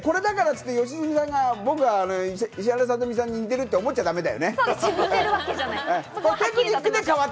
これだからって言って良純さんは石原さとみちゃんに似てるって思っちゃだめだよね。